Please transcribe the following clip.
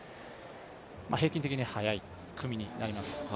平均的に速い組になります。